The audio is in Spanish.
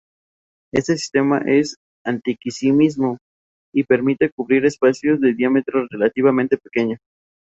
Este sistema es antiquísimo, y permite cubrir espacios de diámetro relativamente pequeño.